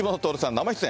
生出演。